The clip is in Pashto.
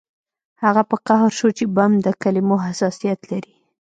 هغه په قهر شو چې بم د کلمو حساسیت لري